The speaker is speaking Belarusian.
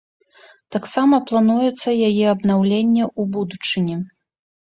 Таксама плануецца яе абнаўленне ў будучыні.